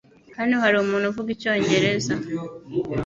Hano hari umuntu uvuga icyongereza? .